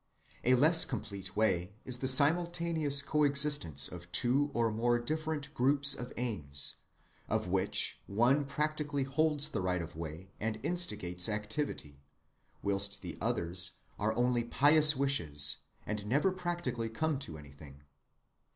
A less complete way is the simultaneous coexistence of two or more different groups of aims, of which one practically holds the right of way and instigates activity, whilst the others are only pious wishes, and never practically come to anything.